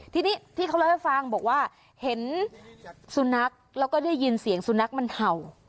ทีนี้ที่เขาเล่าให้ฟังบอกว่าเห็นสุนัขแล้วก็ได้ยินเสียงสุนัขมันเห่า